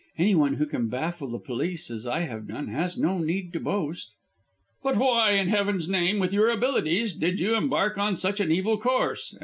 Anyone who can baffle the police as I have done has no need to boast." "But why, in heaven's name, with your abilities, did you embark on such an evil course?"